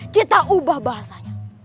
kita ubah bahasanya